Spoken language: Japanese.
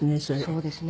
そうですね。